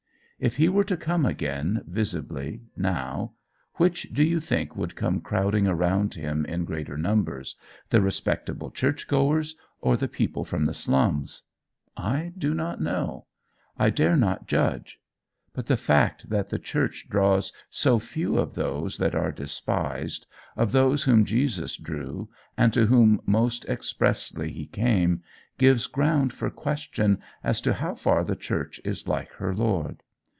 "If he were to come again, visibly, now, which do you think would come crowding around him in greater numbers the respectable church goers, or the people from the slums? I do not know. I dare not judge. But the fact that the church draws so few of those that are despised, of those whom Jesus drew and to whom most expressly he came, gives ground for question as to how far the church is like her Lord.